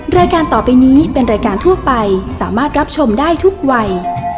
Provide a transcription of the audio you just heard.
รายการต่อไปนี้เป็นรายการทั่วไปสามารถรับชมได้ทุกวัย